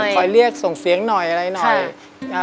ขอเรียกส่งเสียงหน่อยอะไรหน่อย